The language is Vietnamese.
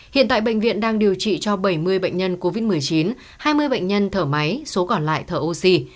hiện tại bệnh viện đang điều trị cho bảy mươi bệnh nhân covid một mươi chín hai mươi bệnh nhân thở máy số còn lại thở oxy